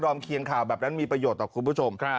เคียงข่าวแบบนั้นมีประโยชน์ต่อคุณผู้ชม